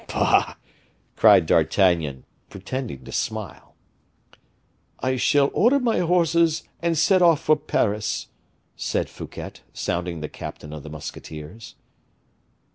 "Bah!" cried D'Artagnan, pretending to smile. "I shall order my horses, and set off for Paris," said Fouquet, sounding the captain of the musketeers.